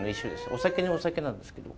お酒にお酒なんですけど。